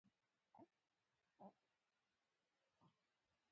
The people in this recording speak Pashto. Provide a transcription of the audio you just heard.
قلم د خیر غوښتونکی دی